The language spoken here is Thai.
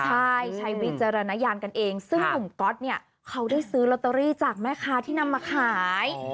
ใช่ใช้วิจารณญาณกันเองซึ่งหนุ่มก๊อตเนี่ยเขาได้ซื้อลอตเตอรี่จากแม่ค้าที่นำมาขาย